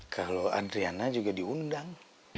kalau adriana juga diundang